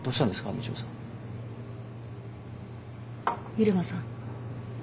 入間さん